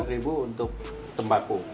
tiga ratus ribu untuk sembako